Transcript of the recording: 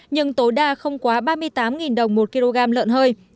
nhưng tối đa không quá ba mươi tám đồng một kg lợn hơi